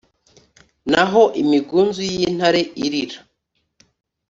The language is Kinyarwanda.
n’aho imigunzu y’intare irīra